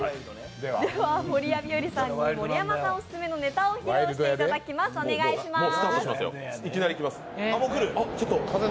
守谷日和さんに盛山さんオススメのネタを披露していただきます。